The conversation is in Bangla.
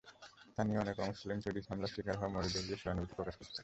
স্থানীয় অনেক অমুসলিম সুইডিশ হামলার শিকার হওয়া মসজিদে গিয়ে সহানুভূতি প্রকাশ করেছেন।